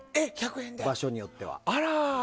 場所によっては。